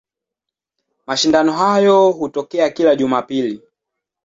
Mashindano hayo hutokea kila Jumapili.